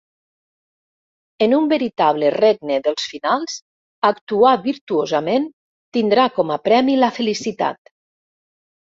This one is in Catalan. En un veritable Regne dels Finals, actuar virtuosament tindrà com a premi la felicitat.